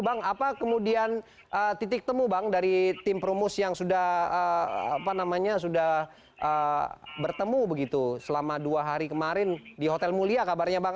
bang apa kemudian titik temu bang dari tim perumus yang sudah bertemu begitu selama dua hari kemarin di hotel mulia kabarnya bang